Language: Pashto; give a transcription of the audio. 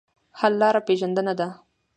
حل لاره پېژندنه ده.